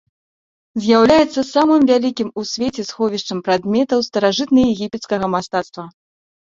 З'яўляецца самым вялікім у свеце сховішчам прадметаў старажытнаегіпецкага мастацтва.